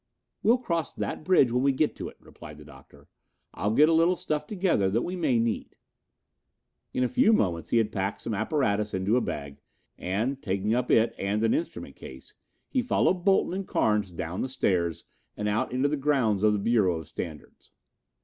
"We'll cross that bridge when we get to it," replied the Doctor. "I'll get a little stuff together that we may need." In a few moments he had packed some apparatus in a bag and, taking up it and an instrument case, he followed Bolton and Carnes down the stairs and out onto the grounds of the Bureau of Standards.